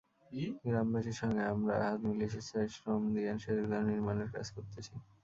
গ্রামবাসীর সঙ্গে আমরা হাত মিলিয়ে স্বেচ্ছায় শ্রম দিয়ে সেতুটা নির্মাণের কাজ করতেছি।